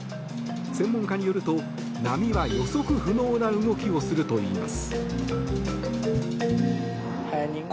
専門家によると波は予測不能な動きをするといいます。